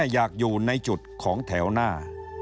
อยากอยู่ในจุดของแถวหน้า